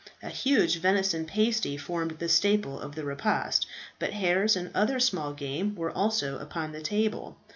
A huge venison pasty formed the staple of the repast, but hares and other small game were also upon the table.